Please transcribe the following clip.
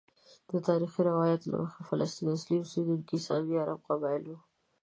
د تاریخي روایاتو له مخې د فلسطین اصلي اوسیدونکي سامي عرب قبائل وو.